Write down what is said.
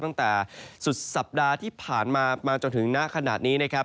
ตั้งแต่สุดสัปดาห์ที่ผ่านมามาจนถึงณขณะนี้นะครับ